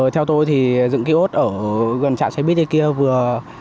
theo tôi thì dựng kios ở gần trạm xe buýt kia vừa